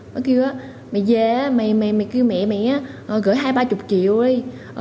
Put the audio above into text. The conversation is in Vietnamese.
bà kêu á mày về á mày kêu mẹ mày á gửi hai ba chục triệu đi